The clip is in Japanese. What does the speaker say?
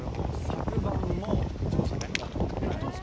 昨晩も打ちましたね。